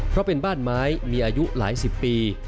เพราะเป็นบ้านไม้มีอายุหลายสิบปี